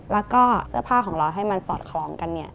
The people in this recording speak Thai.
แล้วก็เสื้อผ้าของเราให้มันสอดคล้องกัน